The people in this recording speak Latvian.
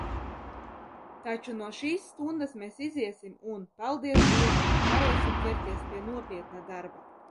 Taču no šīs stundas mēs iziesim un, paldies Dievam, varēsim ķerties pie nopietna darba.